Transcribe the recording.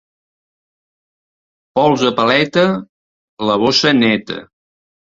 Pols de paleta, la bossa neta.